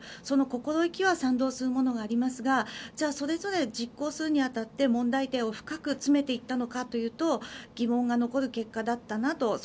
その心意気は賛同するものがありますがそれぞれ、実行するに当たって問題点を深く詰めていったのかというと疑問が残る結果だったなと。